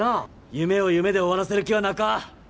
夢を夢で終わらせる気はなか。